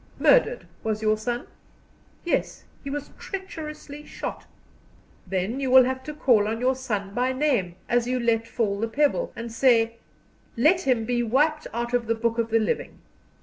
Murdered, was your son?" "Yes, he was treacherously shot." "Then you will have to call on your son by name, as you let fall the pebble, and say: 'Let him be wiped out of the book of the living.